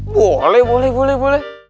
boleh boleh boleh